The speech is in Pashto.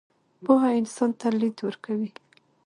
پوهه انسان ته لید ورکوي.